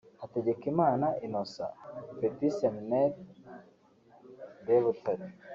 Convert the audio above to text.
Hategekimana Innocent (Petit Seminaire de Butare)